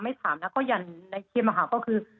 ถามแล้วก็อย่างในคลิปก็คือ